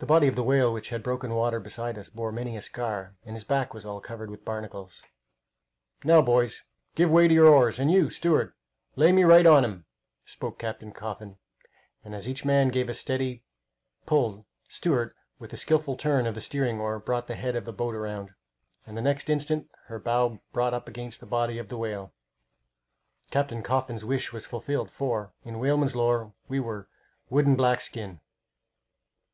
The body of the whale which had broken water beside us bore many a scar, and his back was all covered with barnacles. "Now, boys, give way to your oars, and you, steward, lay me right on to him!" spoke Captain Coffin, and as each man gave a steady pull steward, with a skilful turn of the steering oar, brought the head of the boat round, and the next instant her bow brought up against the body of the whale. Captain Coffin's wish was fulfilled, for, in whalemen's lore, we were "wood and black skin."